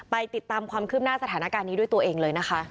ติดตามความคืบหน้าสถานการณ์นี้ด้วยตัวเองเลยนะคะ